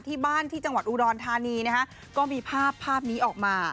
ที่จังหวัดอุดรธานีนะฮะก็มีภาพภาพนี้ออกมา